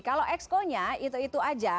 kalau exco nya itu itu saja